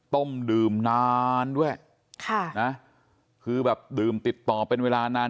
ต้มดื่มนานด้วยค่ะนะคือแบบดื่มติดต่อเป็นเวลานาน